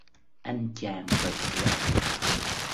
Anh chàng bật dậy